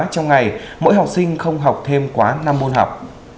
trong ngày mỗi học sinh không học thêm quá năm môn học